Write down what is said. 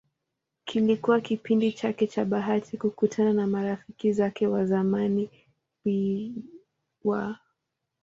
Kilikuwa kipindi chake cha bahati kukutana na marafiki zake wa zamani Bw.